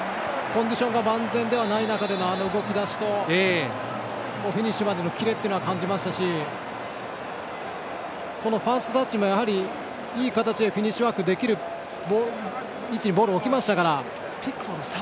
コンディションが万全ではない中でのあの動き出しとフィニッシュまでのキレは感じましたしファーストタッチもいい形でフィニッシュワークができる形にボールを置きましたから。